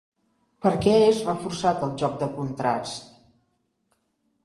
Per què és reforçat el joc de contrasts?